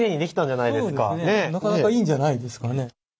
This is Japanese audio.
なかなかいいんじゃないですかね。